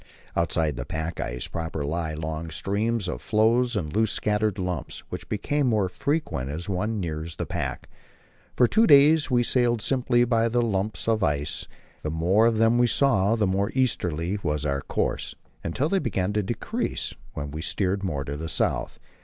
Outside the pack ice proper lie long streams of floes and loose scattered lumps, which become more frequent as one nears the pack. For two days we sailed simply by the lumps of ice; the more of them we saw, the more easterly was our course, until they began to decrease, when we steered more to the south.